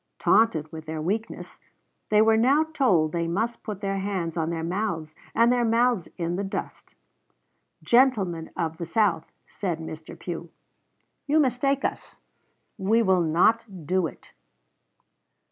Taunted with their weakness, they were now told they must put their hands on their mouths and their mouths in the dust. "Gentlemen of the South," said Mr. Pugh, "you mistake us we will not do it."